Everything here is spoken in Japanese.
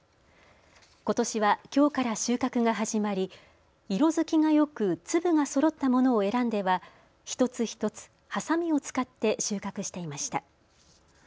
ことしはきょうから収穫が始まり色づきがよく粒がそろったものを選んでは一つ一つはさみを使って収穫していました。